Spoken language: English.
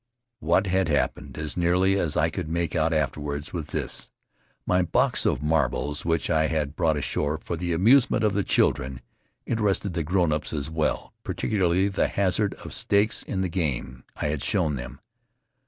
What had happened, as nearly as I could make out afterward, was this: my box of marbles which I had brought ashore for the amusement of the children, interested the grown ups as well, particularly the hazard of stakes in the games I had shown them.